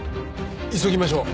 急ぎましょう！